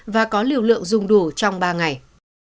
và có liều lượng dùng đủ trong ba ngày